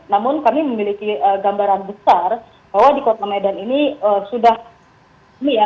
namun kami memiliki gambaran besar bahwa di kota medan ini sudah ini ya